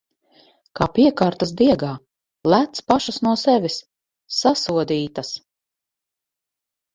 Kā piekārtas diegā... Lec pašas no sevis! Sasodītas!